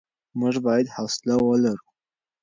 موږ بايد حوصله ولرو.